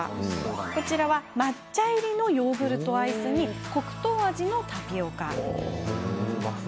こちらは抹茶入りのヨーグルトアイスに黒糖味のタピオカ。